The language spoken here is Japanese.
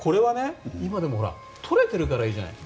でも、今はとれているからいいじゃない。